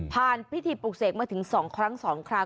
ผ่านพิธีปลูกเสกมาถึง๒ครั้ง๒คราว